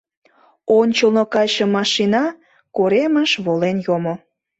Ончылно кайше машина коремыш волен йомо.